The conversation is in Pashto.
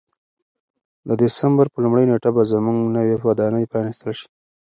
د دسمبر په لومړۍ نېټه به زموږ نوې ودانۍ پرانیستل شي.